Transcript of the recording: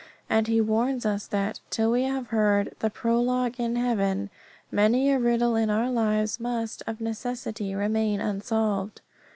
And he warns us that, till we have heard the "Prologue in Heaven," many a riddle in our lives must of necessity remain unsolved.